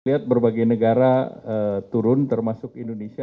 lihat berbagai negara turun termasuk indonesia